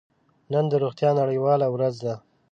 نن د روغتیا نړیواله ورځ ده.